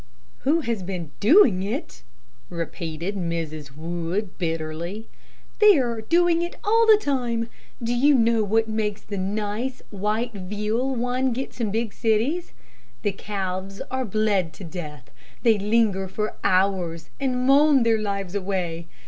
"Who has been doing it?" repeated Mrs. Wood, bitterly; "they are doing it all the time. Do you know what makes the nice, white veal one gets in big cities? The calves are bled to death. They linger for hours, and moan their lives away.